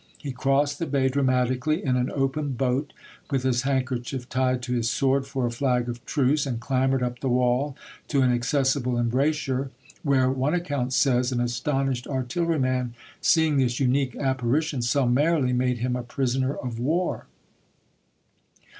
He crossed the bay dramatically in an open boat, with his handkerchief tied to his sword for a flag of truce, and clambered up the wall to an accessible embrasure, where, one account says, an Douweday, astonished artilleryman, seeing this unique appari snmter and tion, summarily made him a prisoner of war.